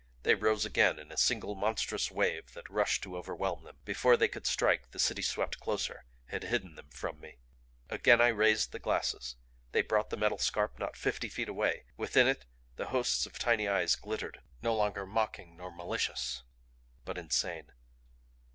They rose again in a single monstrous wave that rushed to overwhelm them. Before they could strike the City swept closer; had hidden them from me. Again I raised the glasses. They brought the metal scarp not fifty feet away within it the hosts of tiny eyes glittered, no longer mocking nor malicious, but insane.